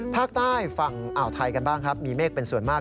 ภาคใต้ฝั่งอ่าวไทยกันบ้างครับมีเมฆเป็นส่วนมาก